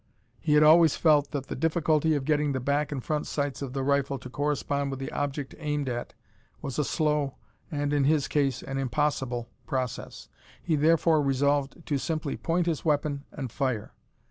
He had always felt that the difficulty of getting the back and front sights of the rifle to correspond with the object aimed at was a slow, and, in his case, an impossible process. He therefore resolved to simply point his weapon and fire!